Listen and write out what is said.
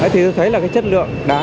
thì tôi thấy là cái chất lượng đá